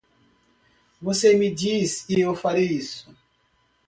Você me diz e eu farei isso.